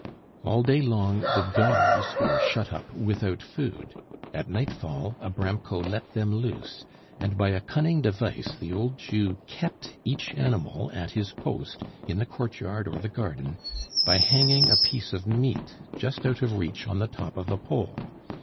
All day long the dogs were shut up without food; at nightfall Abramko let them loose; and by a cunning device the old Jew kept each animal at his post in the courtyard or the garden by hanging a piece of meat just out of reach on the top of a pole.